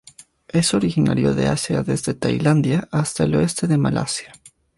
Es originario de Asia desde Tailandia hasta el oeste de Malasia.